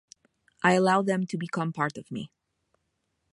I allow them to become part of me.